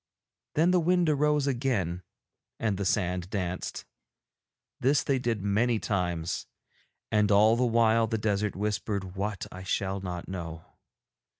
Then the wind arose again and the sand danced. This they did many times. And all the while the desert whispered what I shall not know.